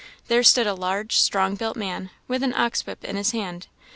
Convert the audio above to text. There stood a large, strong built man, with an ox whip in his hand.